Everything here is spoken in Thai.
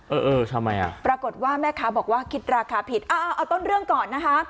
เออเออทำไมอ่ะปรากฏว่าแม่ค้าบอกว่าคิดราคาผิดอ่าเอาต้นเรื่องก่อนนะคะ